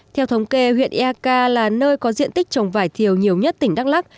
theo thống kê huyện ea ca là nơi có diện tích trồng vải thiều nhiều nhất tỉnh đắk lắc